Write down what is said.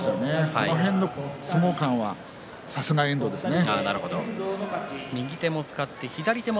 その辺の相撲勘はさすがの遠藤ですね。